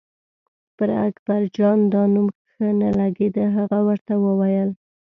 پر اکبرجان دا نوم ښه نه لګېده، هغه ورته وویل.